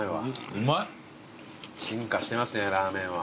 うまい！進化してますねラーメンは。